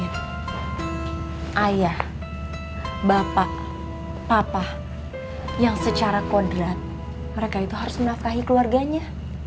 ayah bapak yang secara kodrat mereka itu harus menafkahi keluarganya